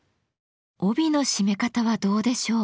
帯の締め方はどうでしょう？